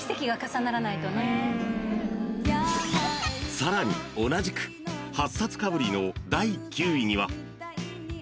［さらに同じく８冊かぶりの第９位には］